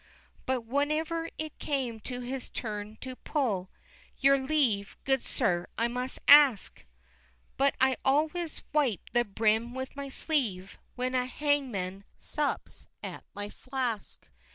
But, whenever it came to his turn to pull, "Your leave, good sir, I must ask; But I always wipe the brim with my sleeve, When a hangman sups at my flask!"